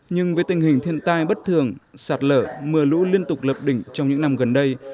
nhưng với tình hình thiên tai bất thường sạt lở mưa lũ liên tục lập đỉnh trong những năm gần đây